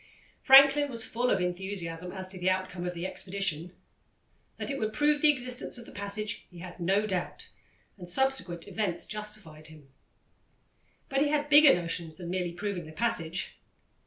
Franklin was full of enthusiasm as to the outcome of the expedition. That it would prove the existence of the passage he had no doubt, and subsequent events justified him. But he had bigger notions than merely proving the passage.